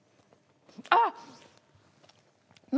あっ！